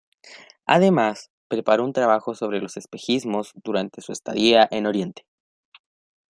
Además, preparó un trabajo sobre los espejismos durante su estadía en oriente.